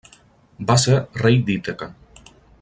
Va ser rei d'Ítaca.